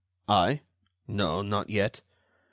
"I? No, not yet.